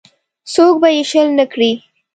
څوک به یې شل نه کړي.